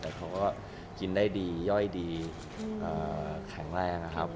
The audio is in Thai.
แต่เขาก็กินได้ดีย่อยดีแข็งแรงนะครับ